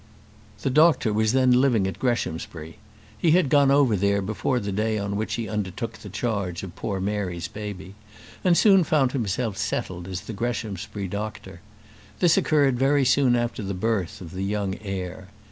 The doctor was then living at Greshamsbury. He had gone over there before the day on which he undertook the charge of poor Mary's baby, and soon found himself settled as the Greshamsbury doctor. This occurred very soon after the birth of the young heir.